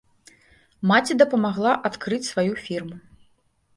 Маці дапамагла адкрыць сваю фірму.